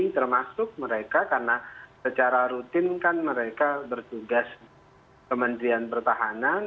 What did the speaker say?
termasuk mereka karena secara rutin kan mereka bertugas di kementerian pertahanan